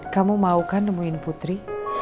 kamu mau kan nemuin putri